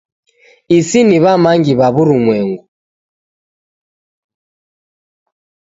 Isi ni wamangi wa wurumwengu.